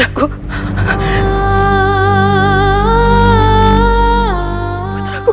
hai putra ku